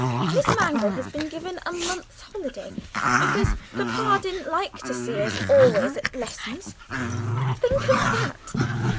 Miss Mangnall has been given a month's holiday, because papa didn't like to see us always at lessons. Think of that!